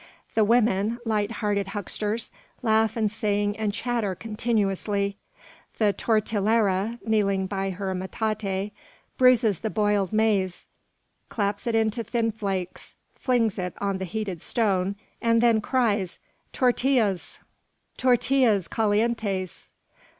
The women, light hearted hucksters, laugh and sing and chatter continuously. The tortillera, kneeling by her metate, bruises the boiled maize, claps it into thin flakes, flings it on the heated stone, and then cries, "Tortillas! tortillas calientes!"